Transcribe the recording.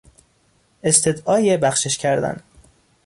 استدعای بخشش کردن